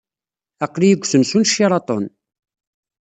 Aql-iyi deg usensu n Sheraton.